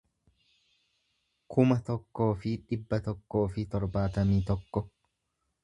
kuma tokkoo fi dhibba tokkoo fi torbaatamii tokko